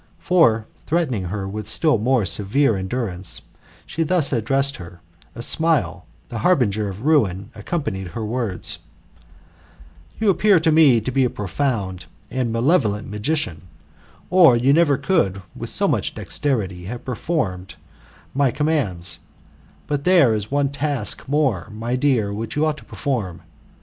For, threatening her with still more severq ^endurance, she thus addressed her, a smile, the harbinger of ruin, accompanying her words: You appear to me to be a profound and malevolent magician, or you never could with so much dexterity have performed my commands: but there is one task more, my dear, which you ought to perform.